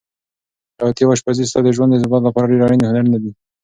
خیاطي او اشپزي ستا د ژوند د ثبات لپاره ډېر اړین هنرونه دي.